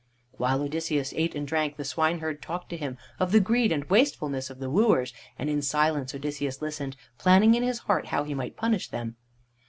While Odysseus ate and drank, the swineherd talked to him of the greed and wastefulness of the wooers, and in silence Odysseus listened, planning in his heart how he might punish them.